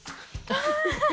アハハハ。